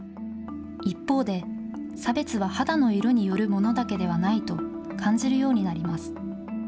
一方で、差別は肌の色によるものだけではないと感じるようになります。